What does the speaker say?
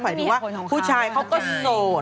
หมายถึงว่าผู้ชายเขาก็โสด